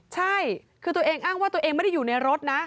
ใช่คือตัวเองอ้างว่าตัวเองไม่ได้อยู่ในรถนะ